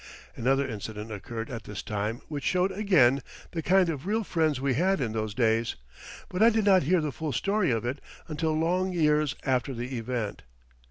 Another incident occurred at this time which showed again the kind of real friends we had in those days, but I did not hear the full story of it until long years after the event.